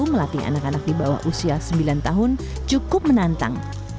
melatih anak anak di bawah usia sembilan tahun cukup menantang